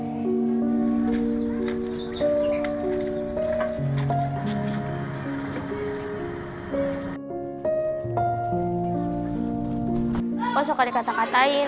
yang menyebabkan ayam sedang terdiri dari dosa